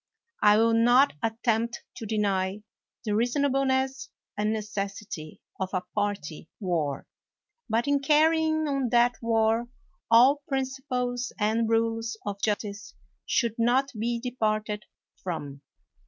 I will not attempt to deny the reasonableness and necessity of a party war ; but in carrying on that war all principles and rules of justice should not be departed from.